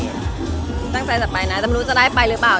ก็ต้องตั้งใจต่อไปนะแต่ไม่รู้จะได้ไปหรือเปล่า